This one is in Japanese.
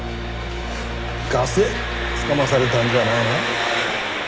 ガセつかまされたんじゃないの？